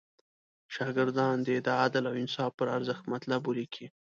شاګردان دې د عدل او انصاف پر ارزښت مطلب ولیکي.